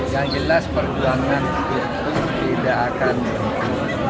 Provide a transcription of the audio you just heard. yang jelas perjuangan itu tidak akan berhenti